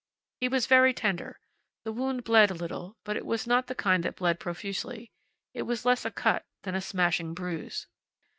He was very tender. The wound bled a little; but it was not the kind that bled profusely. It was less a cut than a smashing bruise.